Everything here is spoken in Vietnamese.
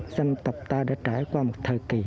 dân tộc ta đã trải qua một thời kỳ